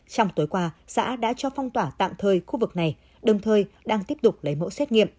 trong tối qua xã đã cho phong tỏa tạm thời khu vực này đồng thời đang tiếp tục lấy mẫu xét nghiệm